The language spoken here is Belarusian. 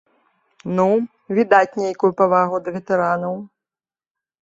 Ну, відаць, нейкую павагу да ветэранаў.